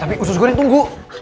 tapi khusus gue yang tunggu